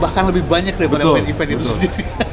bahkan lebih banyak daripada main event itu sendiri